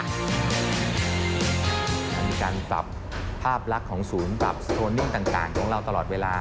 มันมีการปรับภาพลักษณ์ของศูนย์ปรับโซนิ่งต่างของเราตลอดเวลา